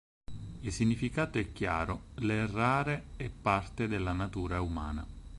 Il significato è chiaro: l'errare è parte della natura umana.